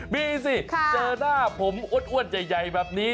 มีดิสิเจอะหน้าผมอดใหญ่แบบนี้